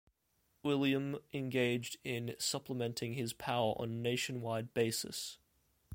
Uilleam engaged in supplementing his power on a nationwide basis.